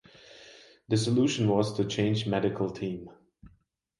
The solution was to change medical team.